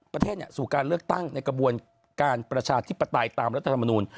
ประเทศสู่การเลือกตั้งในกระบวนการประชาธิปไตยตามรัฐธรรมนูล